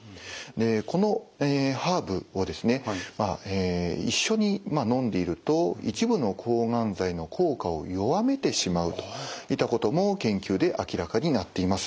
このハーブをですね一緒にのんでいると一部の抗がん剤の効果を弱めてしまうといったことも研究で明らかになっています。